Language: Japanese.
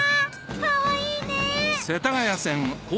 かわいいね。